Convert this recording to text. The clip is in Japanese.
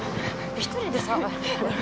１人でさ。